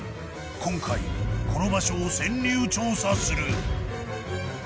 今回この場所を潜入調査する！